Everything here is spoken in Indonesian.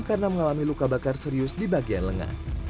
karena mengalami luka bakar serius di bagian lengan